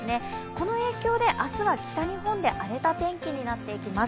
この影響で明日は、北日本で荒れた天気になっていきます。